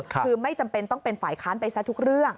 คือไม่จำเป็นต้องเป็นฝ่ายค้านไปซะทุกเรื่อง